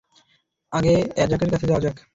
আগে অ্যাজাকের কাছে যাওয়া যাক।